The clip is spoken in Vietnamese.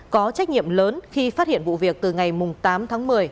có trách nhiệm lớn khi phát hiện vụ việc từ ngày tám tháng một mươi